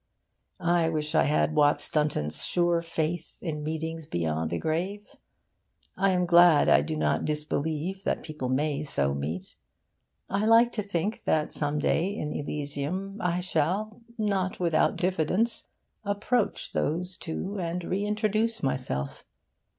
I wish I had Watts Dunton's sure faith in meetings beyond the grave. I am glad I do not disbelieve that people may so meet. I like to think that some day in Elysium I shall not without diffidence approach those two and reintroduce myself.